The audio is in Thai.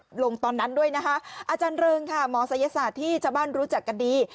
ลงตอนนั้นด้วยนะคะอาจารย์เริงค่ะหมอศัยศาสตร์ที่ชาวบ้านรู้จักกันดี